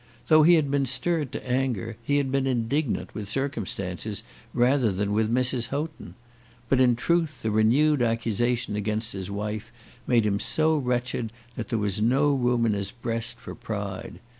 Though he had been stirred to anger, he had been indignant with circumstances rather than with Mrs. Houghton. But in truth the renewed accusation against his wife made him so wretched that there was no room in his breast for pride.